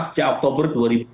sejak oktober dua ribu empat